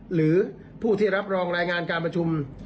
หรือผู้ที่รับรองรายงานการประชุม